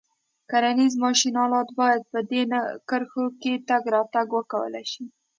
کرنیز ماشین آلات باید په دې کرښو کې تګ راتګ وکولای شي.